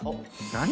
何？